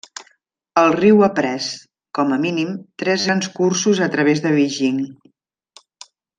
El riu ha pres, com a mínim, tres grans cursos a través de Beijing.